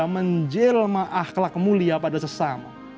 menjelma akhlak mulia pada sesama